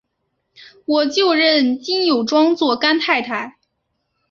我就认金友庄做干太太！